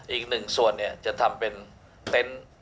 อีกหนึ่งส่วนเนี่ยจะทำเป็นเต้น